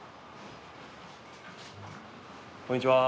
こんにちは。